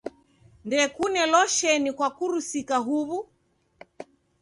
Ndokune losheni kwakurusika huw'u?